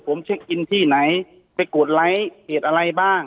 ผมเช็คอินที่ไหนไปกดไลค์เหตุอะไรบ้าง